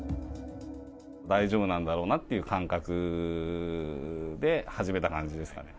大丈夫なんだろうなっていう感覚で始めた感じですかね。